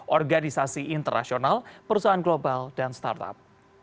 organisasi internasional perusahaan global dan startup